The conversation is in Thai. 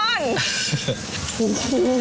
โอ้โห